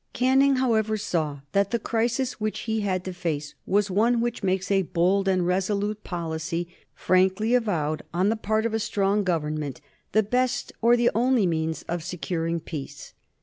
Canning, however, saw that the crisis which he had to face was one which makes a bold and resolute policy, frankly avowed on the part of a strong Government, the best or the only means of securing peace.